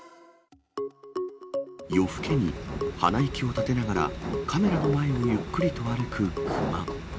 夜ふけに鼻息を立てながらカメラの前をゆっくりと歩くクマ。